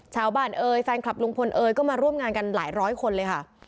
เอ่ยแฟนคลับลุงพลเอยก็มาร่วมงานกันหลายร้อยคนเลยค่ะ